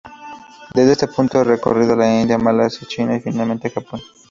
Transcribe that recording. Desde este punto recorrió la India, Malasia, China y finalmente Japón.